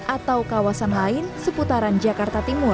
atau kawasan lain seputaran jakarta timur